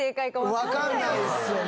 わかんないですよね。